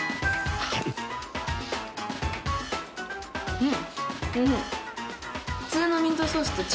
うん。